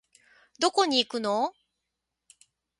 どこ行くのお